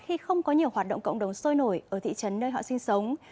khi không có nhiều hoạt động cộng đồng sôi nổi ở thị trấn nơi họ sinh sống